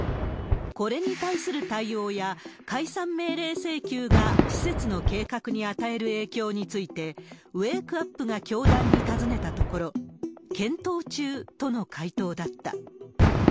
これに対する対応や、解散命令請求が施設の計画に与える影響について、ウェークアップが教団に尋ねたところ、検討中との回答だった。